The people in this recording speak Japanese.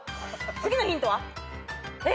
次のヒントは？え！